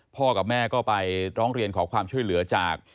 กับแม่ก็ไปร้องเรียนขอความช่วยเหลือจาก